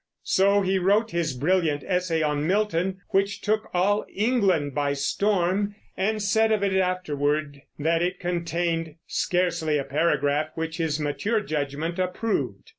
So he wrote his brilliant Essay on Milton, which took all England by storm, and said of it afterward that it contained "scarcely a paragraph which his mature judgment approved."